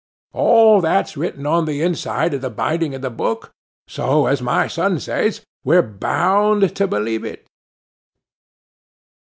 All that's written on the inside of the binding of the book; so, as my son says, we're bound to believe it.